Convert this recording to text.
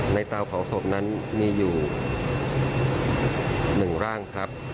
เตาเผาศพนั้นมีอยู่๑ร่างครับ